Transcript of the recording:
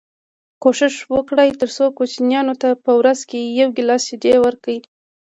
کوښښ وکړئ تر څو کوچنیانو ته په ورځ کي یو ګیلاس شیدې ورکړی